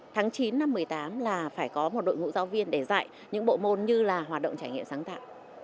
tháng chín năm một mươi tám là phải có một đội ngũ giáo viên để dạy những bộ môn như là hoạt động trải nghiệm sáng tạo